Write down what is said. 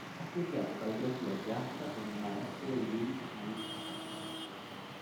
Ha studiato calligrafia asiatica con il Maestro Yun Chung Chiang.